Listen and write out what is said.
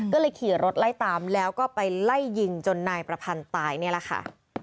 ก็เลยขี่รถไล่ตามแล้วก็ไปไล่ยิงจนนายประพันธ์ตายนี่แหละค่ะ